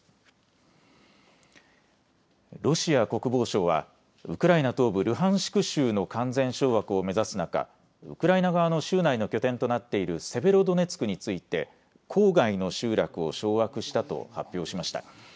ロシア国防省は、ウクライナ東部ルハンシク州の完全掌握を目指す中、ウクライナ側の州内の拠点となっているセベロドネツクについて、郊外の集落を掌握したと発表しました。